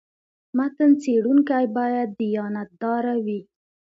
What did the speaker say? متن څېړونکی باید دیانت داره وي.